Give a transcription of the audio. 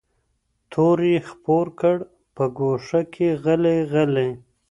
تور یې خپور کړ په ګوښه کي غلی غلی